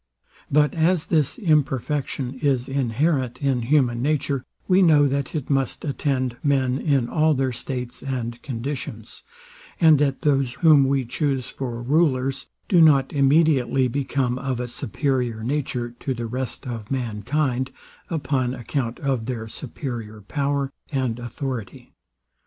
But as this imperfection is inherent in human nature, we know that it must attend men in all their states and conditions; and that these, whom we chuse for rulers, do not immediately become of a superior nature to the rest of mankind, upon account of their superior power and authority.